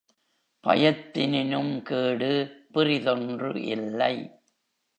பயத்தினினும் கேடு பிறிதொன்று இல்லை.